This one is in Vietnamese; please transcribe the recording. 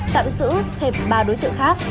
tạm giữ thêm ba đối tượng khác